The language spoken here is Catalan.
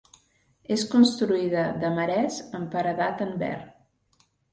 És construïda de marès amb paredat en verd.